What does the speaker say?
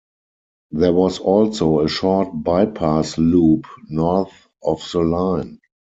There was also a short bypass loop north of the line.